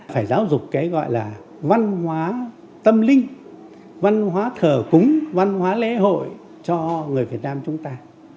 phải giáo dục cái gọi là văn hóa tâm linh văn hóa thờ cúng văn hóa lễ hội cho người việt nam chúng ta